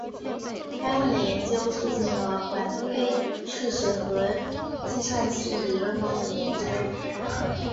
该问题的研究促进了反推数学和计算性理论方面的研究。